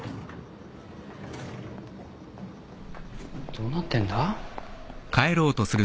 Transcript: どうなってんだ？